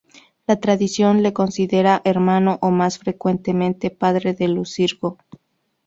La tradición le considera hermano o, más frecuentemente, padre de Licurgo.